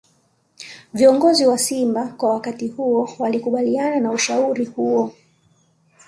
Viongozi wa Simba kwa wakati huo walikubaliana na ushauri huo